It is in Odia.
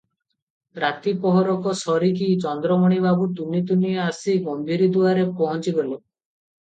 ରାତି ପହରକ ସରିକି ଚନ୍ଦ୍ରମଣି ବାବୁ ତୁନି ତୁନି ଆସି ଗମ୍ଭୀରି ଦୁଆରେ ପହଞ୍ଚି ଗଲେ ।